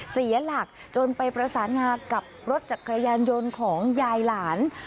เสียหลักจนไปประสานงากับรถจักรยานยนต์ของยายหลาน